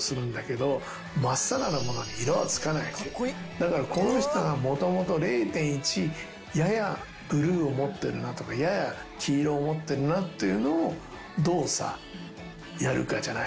だからこの人がもともと０．１ややブルーを持ってるなとかやや黄色を持ってるなっていうのをどうやるかじゃない。